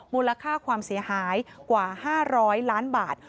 มูลค่าความเสียหายกว่า๕๐๐ล้านบาท